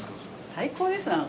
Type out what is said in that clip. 最高ですな